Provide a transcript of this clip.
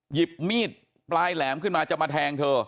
หยิบมีดปลายแหลมขึ้นมาจะมาแทงเธอ